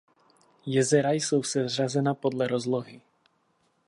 Jezera jsou seřazena podle rozlohy.